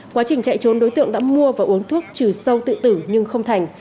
quá trình chạy trốn đối tượng đã mua và uống thuốc trừ sâu tự tử nhưng không thành